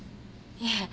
いえ。